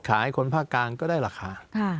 คนภาคกลางก็ได้ราคา